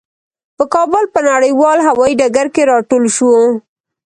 په کابل په نړیوال هوايي ډګر کې راټول شوو.